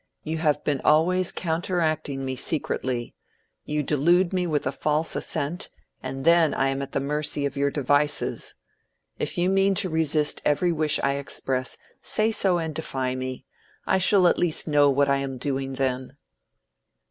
You have always been counteracting me secretly. You delude me with a false assent, and then I am at the mercy of your devices. If you mean to resist every wish I express, say so and defy me. I shall at least know what I am doing then."